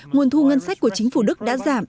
nguồn thu ngân sách của chính phủ đức đã giảm